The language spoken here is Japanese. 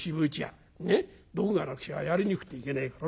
ねっ道具がなくちゃやりにくくていけねえからな。